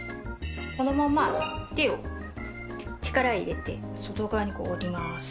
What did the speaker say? このまま手を力入れて外側に折ります。